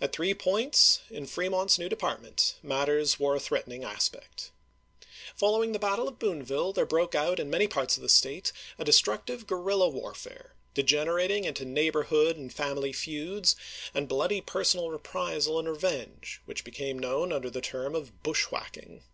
At three points in Fremont's new depart ment matters wore a thi'eatening aspect. Follow ing the battle of Boonville there broke out in many parts of the State a destructive guerrilla warfare, degenerating into neighborhood and family feuds and bloody personal reprisal and revenge, which became known under the term of "bushwhack ing."